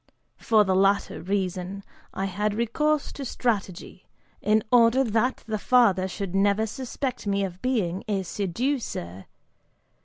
For the latter reason, I had recourse to strategy, in order that the father should never suspect me of being a seducer.